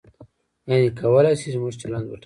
یعنې کولای شي زموږ چلند وټاکي.